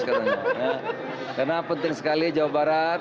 karena penting sekali jawa barat